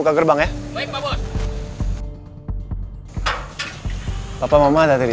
oh canggihkan ubi